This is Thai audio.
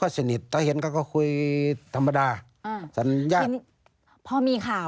เขาสนิทกันแบบไหนเราก็ไม่รู้เหมือนกัน